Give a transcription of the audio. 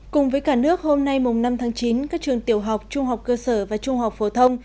cùng với cả nước hôm nay mùng năm tháng chín các trường tiểu học trung học cơ sở và trung học phổ thông